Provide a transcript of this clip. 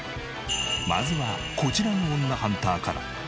まずはこちらの女ハンターから。